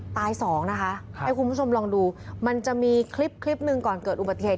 สองนะคะให้คุณผู้ชมลองดูมันจะมีคลิปคลิปหนึ่งก่อนเกิดอุบัติเหตุ